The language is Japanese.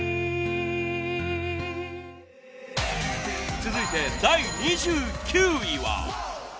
続いて第２９位は。